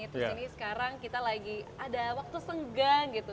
terus ini sekarang kita lagi ada waktu senggang gitu